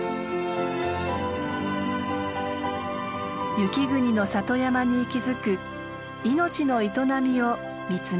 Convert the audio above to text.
雪国の里山に息づく命の営みを見つめます。